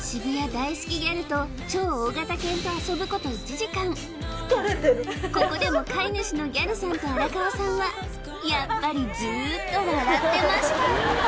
大好きギャルと超大型犬と遊ぶこと１時間ここでも飼い主のギャルさんと荒川さんはやっぱりずっと笑ってました